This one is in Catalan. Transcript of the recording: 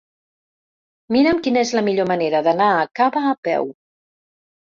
Mira'm quina és la millor manera d'anar a Cava a peu.